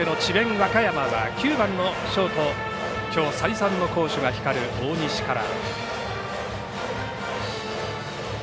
和歌山は９番のショートきょう再三の好守が光る大西から。